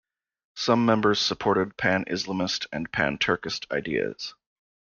Some members supported Pan-Islamist and Pan-Turkist ideas.